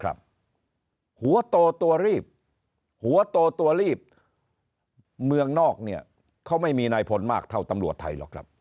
หัวโตตัวรีบหัวโตตัวรีบเมืองนอกเนี่ยเขาไม่มีนายพลมากเท่าตำรวจไทยหรอกครับ